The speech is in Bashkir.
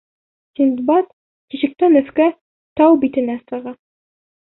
Синдбад тишектән өҫкә, тау битенә сыға.